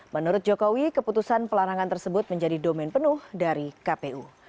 menurut jokowi keputusan pelarangan tersebut menjadi domen penuh dari kpu